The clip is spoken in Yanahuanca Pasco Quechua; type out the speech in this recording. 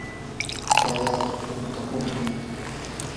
pay alli puntakuqmi.